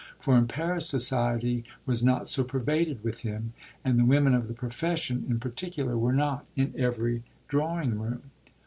For in Paris society was not so pervaded with him, and the women of the profession, in particular, were not in every drawing room.